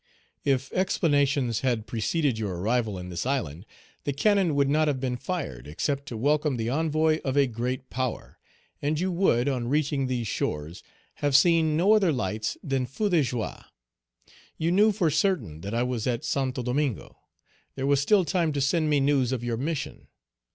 If explanations had preceded your arrival in this island, the cannon would not have bee fired, except to welcome the envoy of a great power, and you would, on reaching these shores, have seen no other lights than feux de joie. You knew for certainty that I was at Santo Domingo. There was still time to send me news of your mission.